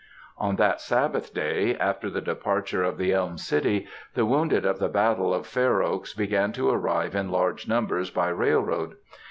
On that Sabbath day, after the departure of the Elm City, the wounded of the battle of Fair Oaks began to arrive in large numbers by railroad.